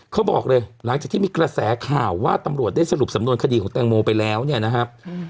เขาบอกเลยหลังจากที่มีกระแสข่าวว่าตำรวจได้สรุปสำนวนคดีของแตงโมไปแล้วเนี่ยนะครับ